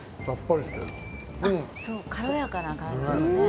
軽やかな感じのね。